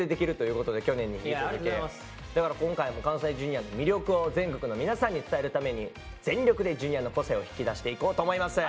だから今回も関西Ｊｒ．の魅力を全国の皆さんに伝えるために全力でＪｒ．の個性を引き出していこうと思います。